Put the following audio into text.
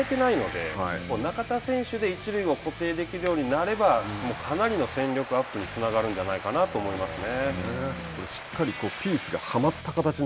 巨人は一塁が今固定されてないので中田選手で一塁を固定できるようになればかなりの戦力アップにつながるんじゃないかなと思いますね。